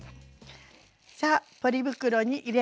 さあポリ袋に入れました。